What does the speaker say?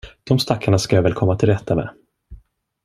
De stackarna ska jag väl komma till rätta med.